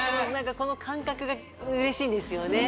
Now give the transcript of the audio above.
この感覚が嬉しいんですよね